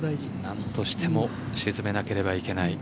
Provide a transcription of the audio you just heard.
何としても沈めなければいけない。